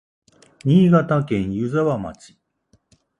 新潟県湯沢町